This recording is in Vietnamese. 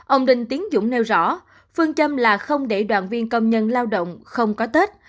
ông đinh tiến dũng nêu rõ phương châm là không để đoàn viên công nhân lao động không có tết